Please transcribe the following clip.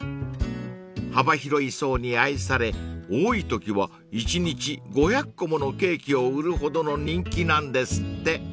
［幅広い層に愛され多いときは１日５００個ものケーキを売るほどの人気なんですって］